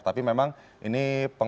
tapi memang ini